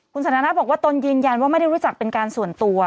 คุณสันทนาบอกว่าตนยืนยันว่าไม่ได้รู้จักเป็นการส่วนตัว